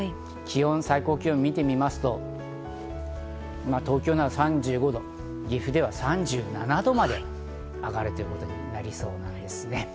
最高気温を見てみますと東京など３５度、岐阜では３７度まで上がるということになりそうです。